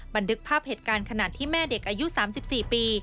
บันทึกภาพเหตุการณ์ขณะที่แม่เด็กอายุ๓๔ปี